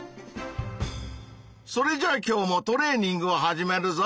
それじゃあ今日もトレーニングを始めるぞ！